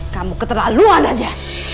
kamu keterlaluan aja